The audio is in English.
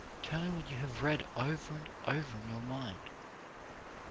Turn what you have read over and over in your mind.